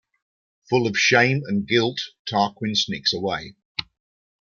Full of shame and guilt, Tarquin sneaks away.